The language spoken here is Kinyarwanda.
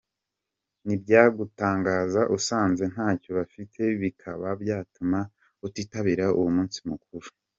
Ntibyagutangaza usanze ntayo bafite bikaba byatuma utitabira uwo munsi mukuru.